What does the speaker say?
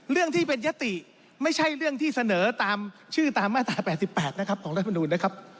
เรื่องที่เป็นยติไม่ใช่เรื่องที่เสนอตามชื่อตามมาตรา๘๘นะครับของรัฐมนุนนะครับ